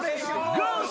ゴース！